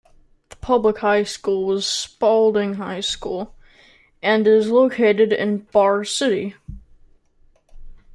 The public high school is Spaulding High School and is located in "Barre City".